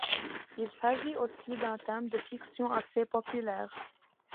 Il s’agit aussi d’un thème de fiction assez populaire.